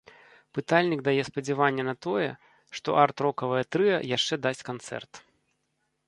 Пытальнік дае спадзяванне на тое, што арт-рокавае трыа яшчэ дасць канцэрт.